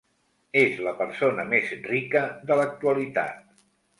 És la persona més rica de l’actualitat.